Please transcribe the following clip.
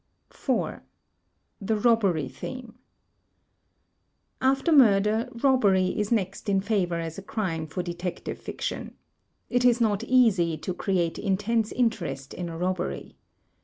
4. The Robbery Theme After murder, robbery is next in favor as a crime for detect ive fiction. It is not easy to create intense interest in a robbery.